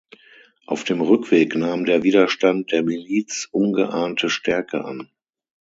Auf dem Rückweg nahm der Widerstand der Miliz ungeahnte Stärke an.